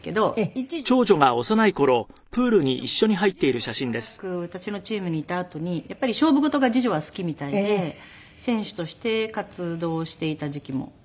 一時いましたし次女も次女はしばらく私のチームにいたあとにやっぱり勝負事が次女は好きみたいで選手として活動していた時期もあって。